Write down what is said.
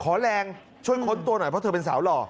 แรงช่วยค้นตัวหน่อยเพราะเธอเป็นสาวหล่อ